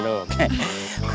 gak usah peluk